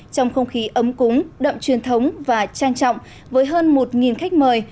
trong không khí ấm cúng đậm truyền thống và trang trọng với hơn một khách mời